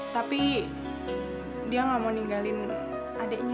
tapi dia nggak mau ninggalin adiknya